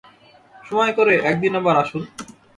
সময় করে একদিন আবার আসুন।